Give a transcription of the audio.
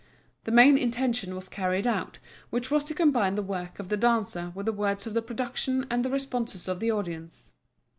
The main intention was carried out, which was to combine the work of the dancer with the words of the production and the responses of the audience.